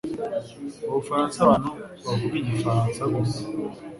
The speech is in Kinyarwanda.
Mu Bufaransa abantu bavuga igifaransa gusa